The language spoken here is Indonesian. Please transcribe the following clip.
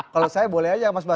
kalau saya boleh aja mas bas